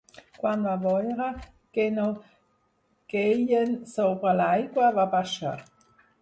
Quan va veure que no queien sobre l'aigua, va baixar.